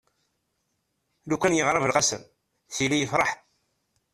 lukan yeɣra belqsem tili yefreḥ